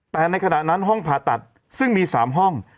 แต่ในขณะนั้นห้องผ่าตัดซึ่งมี๓ห้อง